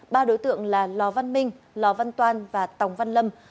ba đối tượng là lò văn minh lò văn toan và tòng văn lâm